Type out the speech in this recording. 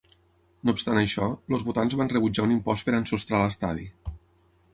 No obstant això, els votants van rebutjar un impost per ensostrar l'estadi.